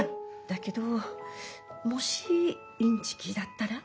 だけどもしインチキだったら？